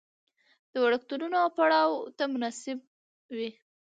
د وړکتونونو او پړاو ته مناسب وي.